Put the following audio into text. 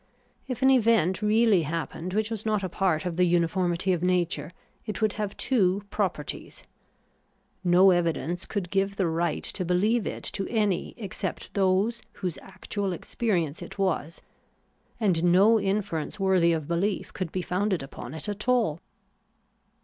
If an event really happened which was not a part of the uniformity of nature, it would have two properties : no evidence could give the right to beheve it to any except those whose actual experi ence it was ; and no inference worthy of belief could be founded upon it at all.